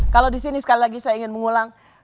kalau disini sekali lagi saya ingin mengulang